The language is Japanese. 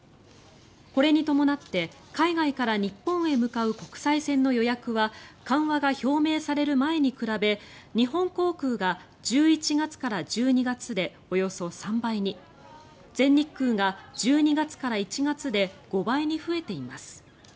これに伴って海外から日本へ向かう国際線の予約は緩和が表明される前に比べ日本航空が１１月から１２月でおよそ３倍に全日空が１２月から１月で５倍に増えています。